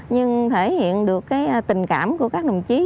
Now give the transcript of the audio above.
nhưng thể hiện được tình cảm của các đồng chí